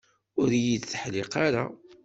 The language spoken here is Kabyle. Ur yi-d-teḥliq ara.